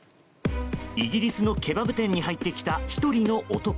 イギリスのケバブ店に入ってきた１人の男。